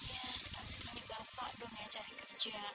ya sekali sekali bapak dong ya cari kerja